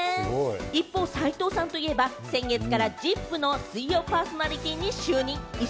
一方、斉藤さんといえば、先月から『ＺＩＰ！』の水曜パーソナリティーに就任。